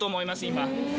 今。